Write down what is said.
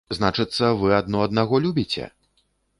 Значыцца, вы адно аднаго любіце?